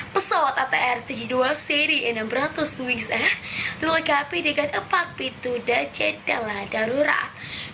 pesawat atr tujuh puluh dua seri enam ratus wix air dilengkapi dengan empat pintu dan jendela darurat